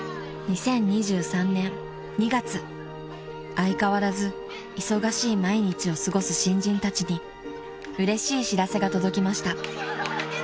［相変わらず忙しい毎日を過ごす新人たちにうれしい知らせが届きました］